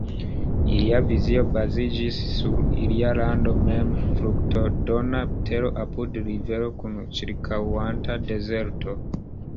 Ilia vizio baziĝis sur ilia lando mem, fruktodona tero apud rivero kun ĉirkaŭanta dezerto.